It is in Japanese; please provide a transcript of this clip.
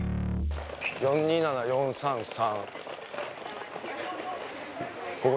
４２７４３３。